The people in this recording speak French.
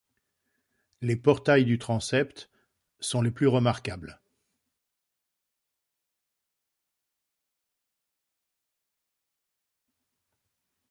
Les portails du transept sont les plus remarquables.